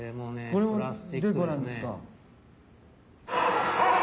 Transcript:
これも全部なんですか。